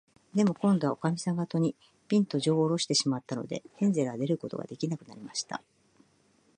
でも、こんどは、おかみさんが戸に、ぴんと、じょうをおろしてしまったので、ヘンゼルは出ることができなくなりました。